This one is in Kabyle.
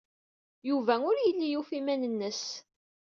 Yuba ur yelli yufa iman-nnes.